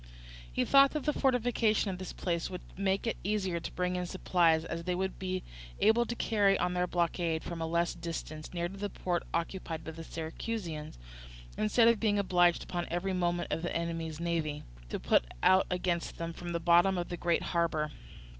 He thought that the fortification of this place would make it easier to bring in supplies, as they would be able to carry on their blockade from a less distance, near to the port occupied by the Syracusans; instead of being obliged, upon every movement of the enemy's navy, to put out against them from the bottom of the great harbour.